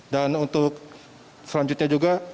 dan untuk selanjutnya juga